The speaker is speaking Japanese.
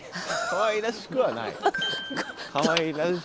かわいらしくはない。